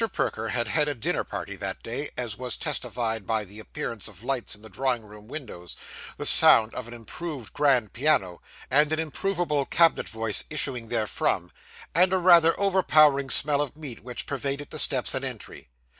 Perker had had a dinner party that day, as was testified by the appearance of lights in the drawing room windows, the sound of an improved grand piano, and an improvable cabinet voice issuing therefrom, and a rather overpowering smell of meat which pervaded the steps and entry.